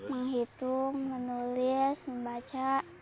menghitung menulis membaca